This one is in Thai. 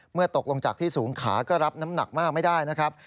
ตกลงจากที่สูงขาก็รับน้ำหนักมากไม่ได้นะครับ